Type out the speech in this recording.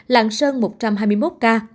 lạng sơn một trăm hai mươi một ca